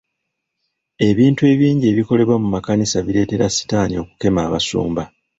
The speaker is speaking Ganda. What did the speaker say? Ebintu ebingi ebikolebwa mu makanisa bireetera sitaani okukema Abasumba.